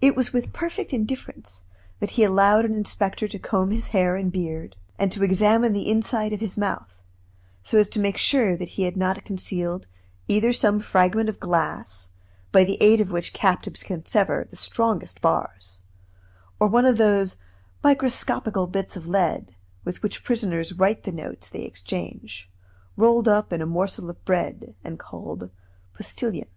It was with perfect indifference that he allowed an inspector to comb his hair and beard, and to examine the inside of his mouth, so as to make sure that he had not concealed either some fragment of glass, by the aid of which captives can sever the strongest bars, or one of those microscopical bits of lead with which prisoners write the notes they exchange, rolled up in a morsel of bread, and called "postilions."